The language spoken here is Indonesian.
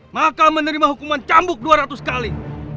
maka menerima hukuman cambuk dua ratus kali